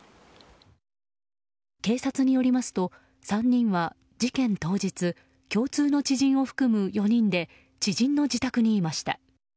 警察によりますと３人は事件当日共通の知人を含む４人で知人の自宅にいました。